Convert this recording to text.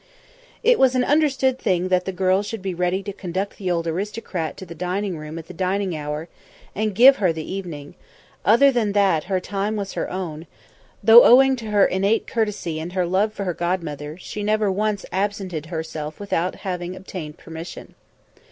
It was an understood thing that the girl should be ready to conduct the old aristocrat to the dining room at the dinner hour and give her the evening; other than that her time was her own, though, owing to her innate courtesy and her love for her godmother, she never once absented herself without having obtained permission.